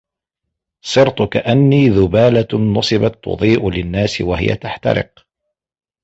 صِرْتُ كَأَنِّي ذُبَالَةٌ نُصِبَتْ تُضِيءُ لِلنَّاسِ وَهِيَ تَحْتَرِقُ